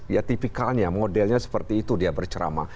ya tipikalnya modelnya seperti itu dia bercerama